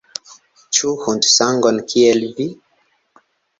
Ĉu hundsangon, kiel vi?